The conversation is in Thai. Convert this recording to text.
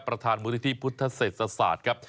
ประธานมูลนิธิพุทธเศรษฐศาสตร์ครับ